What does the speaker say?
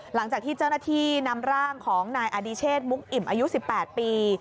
หลังจากที่เจ้าหน้าที่นำร่างของนายอดิเชษมุกอิ่มอายุ๑๘ปี